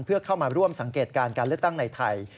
เพื่อเข้ามาร่วมสังเกตการณ์การเลือกตั้งในไทย